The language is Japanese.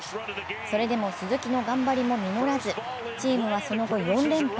それでも鈴木の頑張りも実らず、チームはその後４連敗。